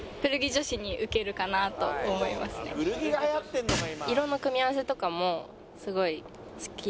「古着がはやってるのか今」